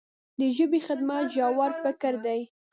د ژبې خدمت ژور فکر دی.